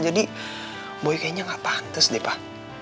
jadi boy kayaknya gak pantes deh pak